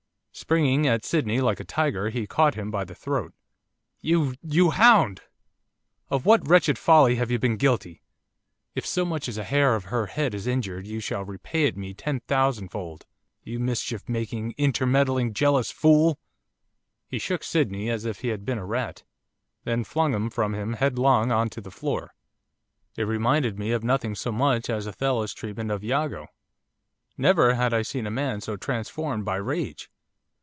Springing at Sydney like a tiger, he caught him by the throat. 'You you hound! Of what wretched folly have you been guilty? If so much as a hair of her head is injured you shall repay it me ten thousandfold! You mischief making, intermeddling, jealous fool!' He shook Sydney as if he had been a rat, then flung him from him headlong on to the floor. It reminded me of nothing so much as Othello's treatment of Iago. Never had I seen a man so transformed by rage.